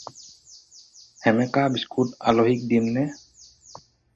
সেমেকা বিস্কুট আলহীক দিমনে?